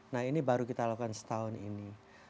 nah ini baru kita lakukan setahun ini